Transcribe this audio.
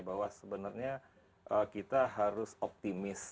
bahwa sebenarnya kita harus optimis